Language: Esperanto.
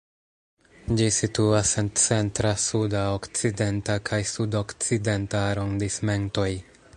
Ĝi situas en Centra, Suda, Okcidenta kaj Sud-Okcidenta arondismentoj.